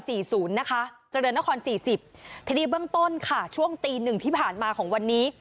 ทีนี้เบื้องต้นค่ะช่วงตีหนึ่งที่ผ่านมาของวันนี้